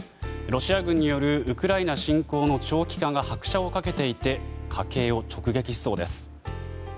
ロシア軍によるウクライナ侵攻の長期化が拍車をかけていて家計を直撃しそうです。